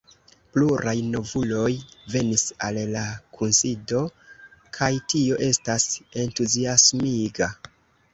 Pluraj novuloj venis al la kunsido, kaj tio estas entuziasmiga.